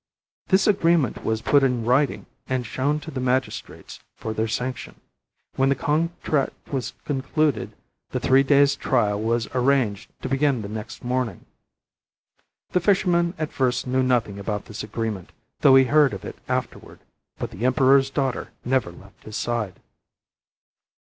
This agreement was put in writing and shown to the magistrates for their sanction. When the contract was concluded, the three days' trial was arranged to begin the next morning. The fisherman at first knew nothing about this agreement, though he heard of it afterward, but the emperor's daughter never left his side.